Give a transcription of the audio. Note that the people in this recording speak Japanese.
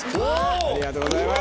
ありがとうございます。